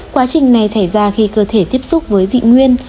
quá trình này xảy ra khi cơ thể tiếp xúc với dị nguyên